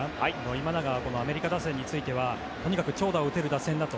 今永はアメリカ打線についてはとにかく長打を打てる打線だと。